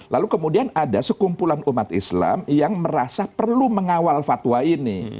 lalu kemudian ada sekumpulan umat islam yang merasa perlu mengawal fatwa ini